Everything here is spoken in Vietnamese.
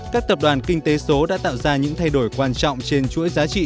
các tập đoàn kinh tế số đã tạo ra những thay đổi quan trọng trên chuỗi giá trị